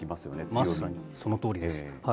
まさにそのとおりです。